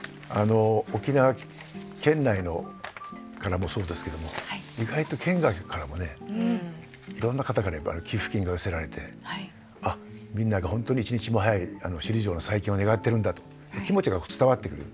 沖縄県内からもそうですけども意外と県外からもねいろんな方から寄付金が寄せられてみんなが本当に一日も早い首里城の再建を願ってるんだと気持ちが伝わってくる。